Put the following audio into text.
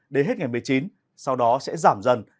đến hết ngày một mươi chín sau đó sẽ giảm dần